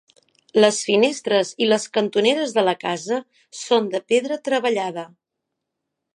Les finestres i les cantoneres de la casa són de pedra treballada.